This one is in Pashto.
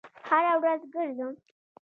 هره ورځ ګرځم